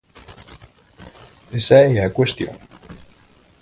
¿Esa é a cuestión?